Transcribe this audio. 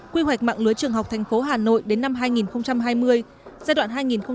quy hoạch mạng lưới trường học thành phố hà nội đến năm hai nghìn hai mươi giai đoạn hai nghìn hai mươi một hai nghìn ba mươi